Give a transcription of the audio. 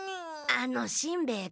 あのしんべヱ君。